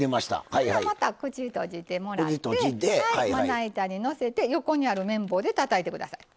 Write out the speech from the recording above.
ほなまた口閉じてもらってまな板にのせて横にある麺棒でたたいてください。